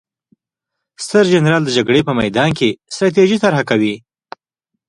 ستر جنرال د جګړې په میدان کې ستراتیژي طرحه کوي.